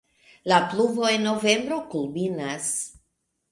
La pluvo en novembro kulminas.